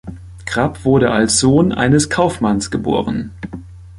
Krapp wurde als Sohn eines Kaufmanns geboren.